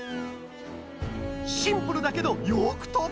シンプルだけどよくとぶ！